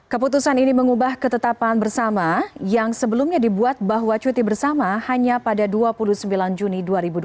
keputusan ini mengubah ketetapan bersama yang sebelumnya dibuat bahwa cuti bersama hanya pada dua puluh sembilan juni dua ribu dua puluh